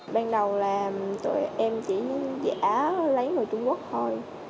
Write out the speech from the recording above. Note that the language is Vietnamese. ban đầu là tụi em chỉ giả lấy người trung quốc thôi